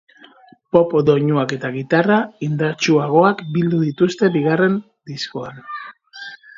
Pop doinuak eta gitarra indartsuagoak bildu dituzte bigarren diskoan.